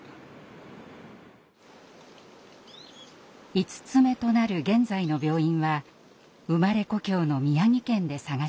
５つ目となる現在の病院は生まれ故郷の宮城県で探しました。